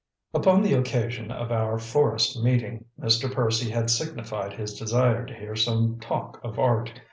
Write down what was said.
Upon the occasion of our forest meeting Mr. Percy had signified his desire to hear some talk of Art.